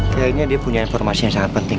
kayaknya dia punya informasi yang sangat penting